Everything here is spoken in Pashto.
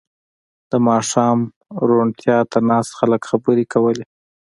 • د ماښام روڼتیا ته ناست خلک خبرې کولې.